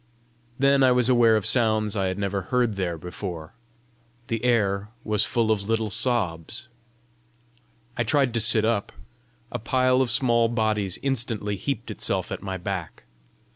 Then I was aware of sounds I had never heard there before; the air was full of little sobs. I tried to sit up. A pile of small bodies instantly heaped itself at my back.